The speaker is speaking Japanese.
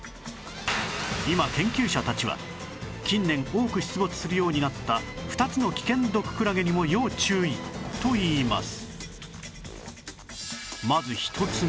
今研究者たちは近年多く出没するようになった２つの危険毒クラゲにも要注意といいます